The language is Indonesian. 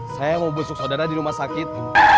saya mau besok sodara di rumah sakit